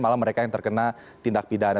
malah mereka yang terkena tindak pidana